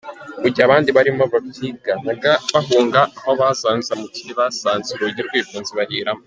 Mu gihe abandi barimo babyiganaga bahunga, aho bazanzamukiye basanze urugi rwifunze bahiramo.